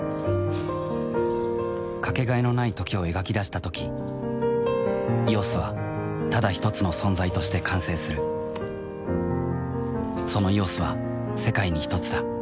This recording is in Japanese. かけがえのない「時」を描き出したとき「ＥＯＳ」はただひとつの存在として完成するその「ＥＯＳ」は世界にひとつだ